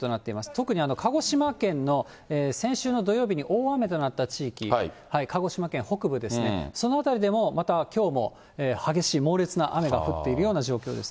特に鹿児島県の先週の土曜日に大雨となった地域、鹿児島県北部ですね、その辺りでも、またきょうも激しい猛烈な雨が降っているような状況です。